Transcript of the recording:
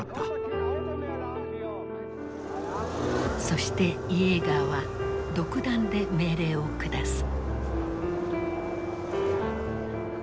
そしてイエーガーは独断で命令を下す。